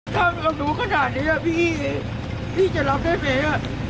ทำกับหนูขนาดนี้พี่จะรับได้ไหม